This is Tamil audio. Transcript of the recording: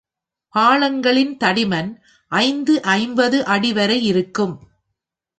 பாளங்களின் தடிமன் ஐந்து ஐம்பது அடி வரை இருக்கும்.